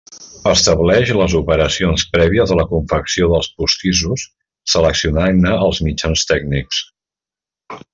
Estableix les operacions prèvies a la confecció dels postissos seleccionant-ne els mitjans tècnics.